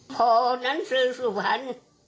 พอนั้นซื้อสุพรรณ